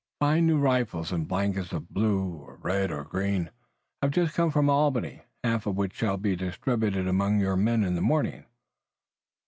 Fine new rifles, and blankets of blue or red or green have just come from Albany, half of which shall be distributed among your men in the morning."